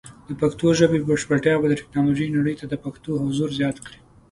د پښتو ژبې بشپړتیا به د ټیکنالوجۍ نړۍ ته د پښتنو حضور زیات کړي.